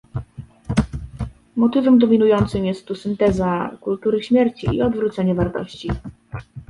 Motywem dominującym jest tu synteza kultury śmierci i odwrócenie wartości